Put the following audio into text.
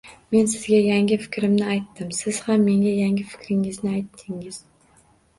Men sizga yangi fikrimni aytdim. Siz ham menga yangi fikringizni aytdingiz.